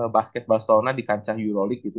basket barcelona di kancah euroleague gitu